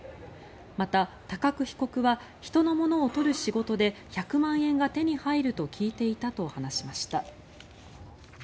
また、高久被告は人のものを取る仕事で１００万円が手に入ると聞いていたと話しました。